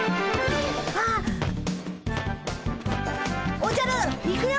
おじゃるいくよ！